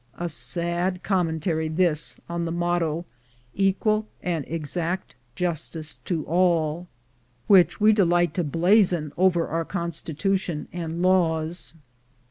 A sad commentary this on that motto, 'Equal and exact justice to all,' which we delight to blazon over our constitution and laws.